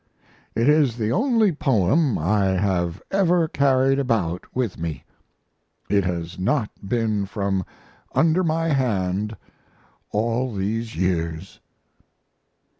It is the only poem I have ever carried about with me. It has not been from under my hand all these years.